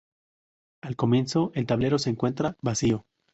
Al comienzo el tablero se encuentra vacío.